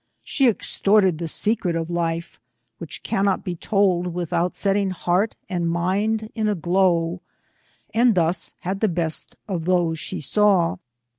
She extorted the secret of hfe, which cannot be told without setting heart and mind in a glow ; and thus had the best of those she saw.